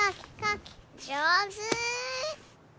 じょうず！